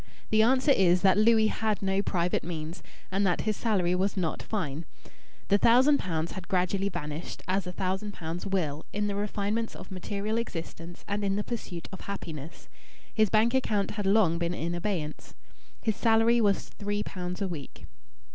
The answer is that Louis had no private means, and that his salary was not fine. The thousand pounds had gradually vanished, as a thousand pounds will, in the refinements of material existence and in the pursuit of happiness. His bank account had long been in abeyance. His salary was three pounds a week.